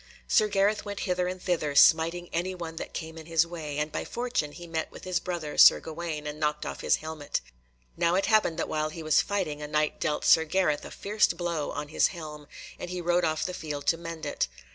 Sir Gareth went hither and thither, smiting any one that came in his way, and by fortune he met with his brother Sir Gawaine, and knocked off his helmet. Now it happened that while he was fighting a Knight dealt Sir Gareth a fierce blow on his helm, and he rode off the field to mend it.